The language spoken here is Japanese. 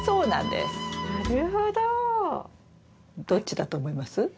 どっちだと思います？